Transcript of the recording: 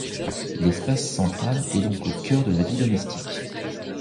L'espace central est donc au cœur de la vie domestique.